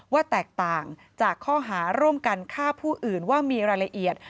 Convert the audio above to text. ว่าแตกต่างจากข้อหาร่วมกันฆ่าผู้อื่นว่ามีรายละเอียด